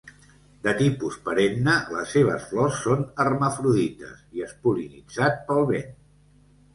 De tipus perenne, les seves flors són hermafrodites i és pol·linitzat pel vent.